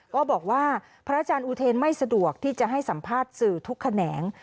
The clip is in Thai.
บอกว่าพระอาจารย์อุเทนไม่สะดวกที่จะให้สัมภาษณ์สื่อทุกแขนง